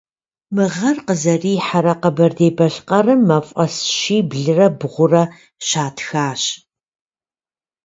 Мы гъэр къызэрихьэрэ Къэбэрдей-Балъкъэрым мафӏэс щиблрэ бгъурэ щатхащ.